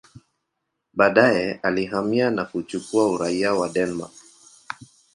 Baadaye alihamia na kuchukua uraia wa Denmark.